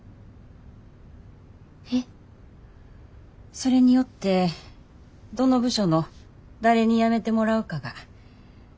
それによってどの部署の誰に辞めてもらうかが決まる。